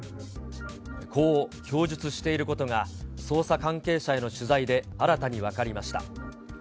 こう供述していることが、捜査関係者への取材で新たに分かりました。